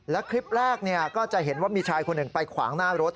และคลิปแรกก็จะเห็นว่ามีชายคนหนึ่งไปขวางหน้ารถ